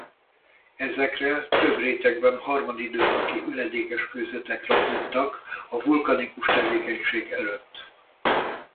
Ezekre több rétegben harmadidőszaki üledékes kőzetek rakódtak a vulkanikus tevékenység előtt.